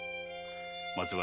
松原。